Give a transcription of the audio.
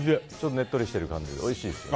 ねっとりしてる感じでおいしいですよね。